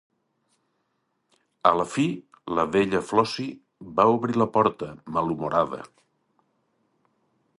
A la fi, la vella Flossie va obrir la porta, malhumorada.